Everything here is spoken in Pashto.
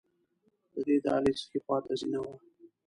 د دې دهلېز ښې خواته زینه وه.